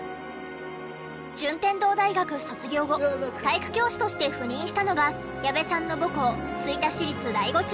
順天堂大学卒業後体育教師として赴任したのが矢部さんの母校吹田市立第五中学校。